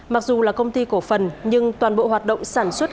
mặc dù là công ty cổ phần nhưng toàn bộ hoạt động sản xuất